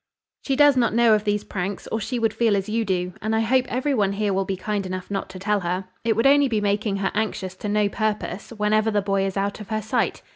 "She does not know of these pranks, or she would feel as you do; and I hope every one here will be kind enough not to tell her. It would only be making her anxious to no purpose, whenever the boy is out of her sight.